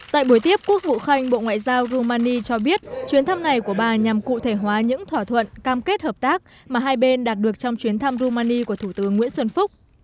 tại buổi tiếp quốc vụ khanh bộ ngoại giao rumani cho biết chuyến thăm này của bà nhằm cụ thể hóa những thỏa thuận cam kết hợp tác mà hai bên đạt được trong chuyến thăm rumani của thủ tướng nguyễn xuân phúc